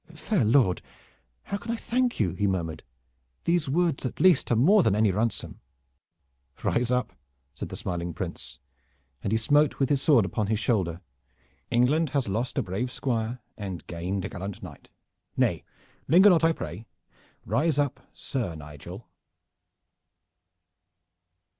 "Fair lord, how can I thank you?" he murmured. "These words at least are more than any ransom." "Rise up!" said the smiling Prince, and he smote with his sword upon his shoulder. "England has lost a brave Squire, and has gained a gallant knight. Nay, linger not, I pray! Rise up, Sir Nigel!"